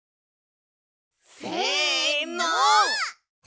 せの！